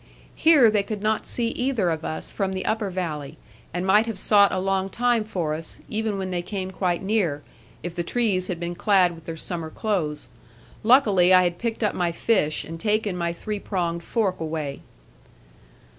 Here they could not see either of us from the upper valley, and might have sought a long time for us, even when they came quite near, if the trees had been clad with their summer clothes. Luckily I had picked up my fish and taken my three pronged fork away.